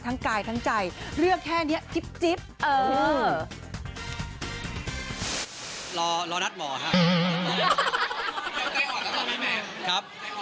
ทั้งกายทั้งใจเลือกแค่เนี้ยจิ๊บเออรอรอนัดหมอค่ะ